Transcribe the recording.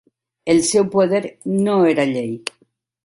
El seu poder "no" era llei.